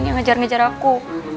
yang ngejar ngejar aku